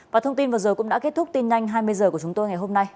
và thông tin vừa rồi cũng đã kết thúc tin nhanh hai mươi h của chúng tôi ngày hôm nay